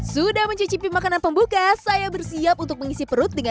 sampai jumpa di episode selanjutnya